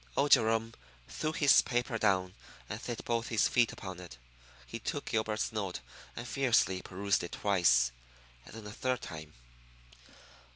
Old Jerome threw his paper down and set both his feet upon it. He took Gilbert's note and fiercely perused it twice, and then a third time.